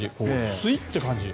スイーッて感じ。